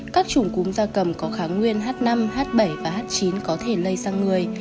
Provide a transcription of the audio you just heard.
các chủng cúm da cầm có kháng nguyên h năm h bảy và h chín có thể lây sang người